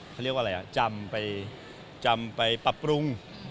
เขาเรียกว่าอะไรอ่ะจำไปปรับปรุง